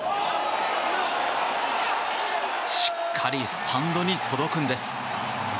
しっかりスタンドに届くんです。